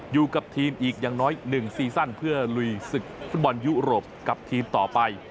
อยู่กับทีมอีกอย่างน้อย๑ซีซั่นเพื่อลุยศึกฟุตบอลยุโรปกับทีมต่อไป